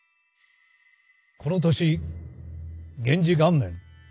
この年元治元年